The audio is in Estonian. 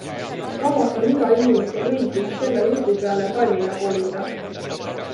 Samas on igal inimesel õigus selle jutu peale Tallinna kolida.